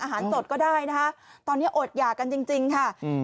สดก็ได้นะคะตอนนี้อดหยากกันจริงจริงค่ะอืม